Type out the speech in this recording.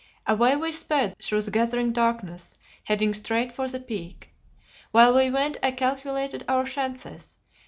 Away we sped through the gathering darkness, heading straight for the Peak. While we went I calculated our chances.